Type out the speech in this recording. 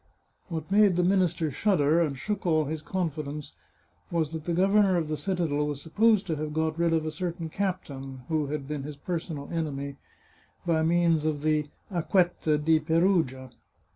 What made the minister shudder, and shook all his confidence, was that the governor of the citadel was supposed to have got rid of a certain captain, who had been his personal enemy, by means of the " Acquetta di Perugia."